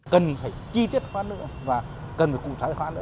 cần phải chi tiết khoản lượng và cần phải cụm thái khoản